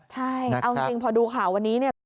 ใช่เอาจริงพอดูข่าววันนี้